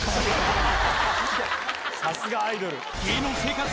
さすがアイドル。